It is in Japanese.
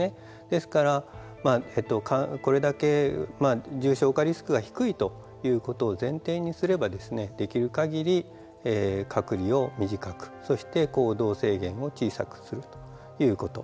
ですから、これだけ重症化リスクが低いということを前提にすればできるかぎり隔離を短くそして行動制限を小さくするということ。